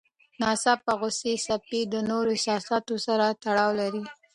د ناڅاپه غوسې څپې د نورو احساساتو سره تړاو لري.